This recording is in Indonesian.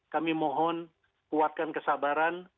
kami mohon kuatkan kesabaran